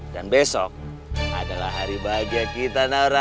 dan besok adalah hari bahagia kita nora